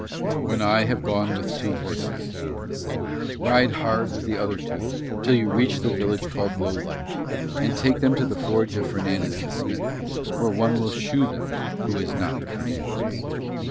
"When I have gone with two horses," he said, "ride hard with the other two till you reach the village named Lowlight, and take them to the forge of Fernandez the smith, where one will shoe them who is not Fernandez."